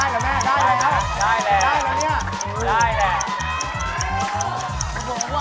ได้แหละแม่ได้แหละครับได้แหละนี่เหรอได้แหละ